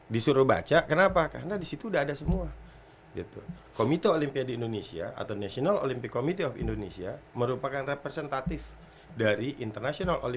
disuruh baca kenapa karena disitu udah ada semua